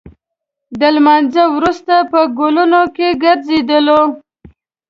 د لمانځه وروسته په ګلونو کې ګرځېدلو.